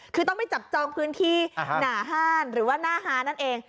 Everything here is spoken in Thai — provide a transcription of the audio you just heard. คือต้องไปจับจองพื้นที่หนาห้านหรือว่าหน้าฮานั่นเอง